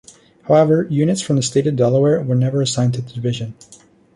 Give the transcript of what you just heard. However, units from the State of Delaware were never assigned to the division.